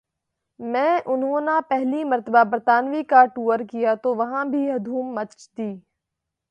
میں انہو نہ پہلی مرتبہ برطانوی کا ٹور کیا تو وہاں بھی دھوم مچ دی